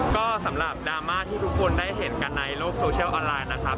ก็สำหรับดราม่าที่ทุกคนได้เห็นกันในโลกโซเชียลออนไลน์นะครับ